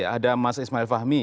ada mas ismail fahmi